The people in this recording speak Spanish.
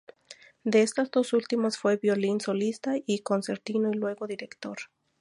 De estas dos últimas fue violín solista y concertino, y luego director.